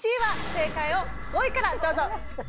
正解を５位からどうぞ。